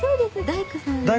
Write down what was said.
大工さんに。